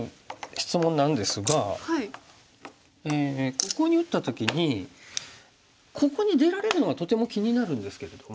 ここに打った時にここに出られるのがとても気になるんですけれども。